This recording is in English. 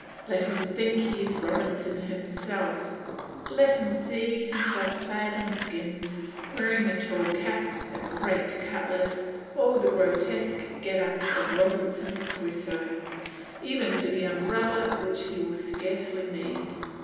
Let him think he is Robinson himself; let him see himself clad in skins, wearing a tall cap, a great cutlass, all the grotesque get up of Robinson Crusoe, even to the umbrella which he will scarcely need.